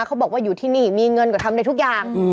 เขาบอกว่าอยู่ที่นี่มีเงินก็ทำได้ทุกอย่าง